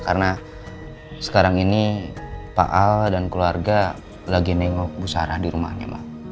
karena sekarang ini pak al dan keluarga lagi nengok bu sarah di rumahnya mak